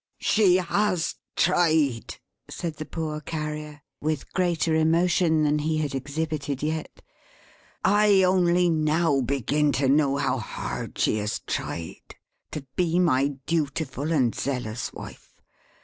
"She has tried," said the poor Carrier, with greater emotion than he had exhibited yet; "I only now begin to know how hard she has tried; to be my dutiful and zealous wife.